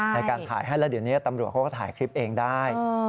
ในการถ่ายให้แล้วเดี๋ยวนี้ตำรวจเขาก็ถ่ายคลิปเองได้